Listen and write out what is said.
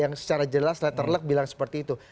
yang secara jelas letter luck bilang seperti itu